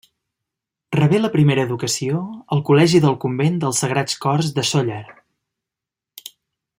Rebé la primera educació al col·legi del Convent dels Sagrats Cors de Sóller.